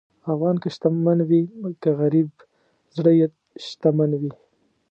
افغان که شتمن وي که غریب، زړه یې شتمن وي.